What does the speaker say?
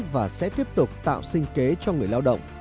và sẽ tiếp tục tạo sinh kế cho người lao động